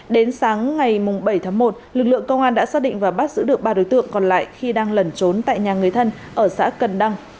đến sáng ngày bảy tháng một lực lượng công an đã xác định và bắt giữ được ba đối tượng còn lại khi đang lẩn trốn tại nhà người thân ở xã cần đăng